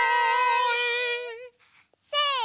せの！